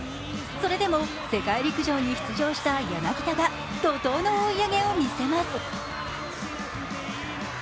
それでも世界陸上に出場した柳田が怒とうの追い上げを見せます。